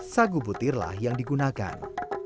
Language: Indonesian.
sagu putirlah yang digunakan